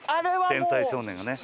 天才少年がね。